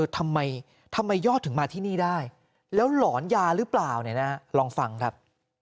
ทำไมยอดถึงมาที่นี่ได้แล้วหลอนยาหรือเปล่าเนี่ยนะลองฟังครับ